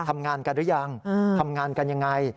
ทำงานกันหรือยังทำงานกันยังไง